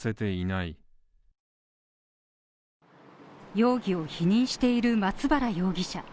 容疑を否認している松原容疑者。